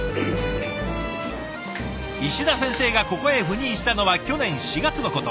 石田先生がここへ赴任したのは去年４月のこと。